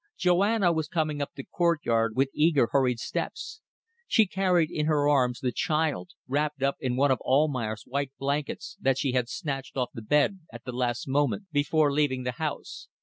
Joanna was coming up the courtyard with eager, hurried steps. She carried in her arms the child, wrapped up in one of Almayer's white blankets that she had snatched off the bed at the last moment, before leaving the house.